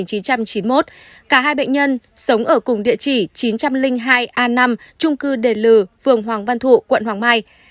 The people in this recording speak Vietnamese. cả hai bệnh nhân sống ở cùng địa chỉ chín trăm linh hai a năm trung cư đề lừ phường hoàng văn thụ quận hoàng mai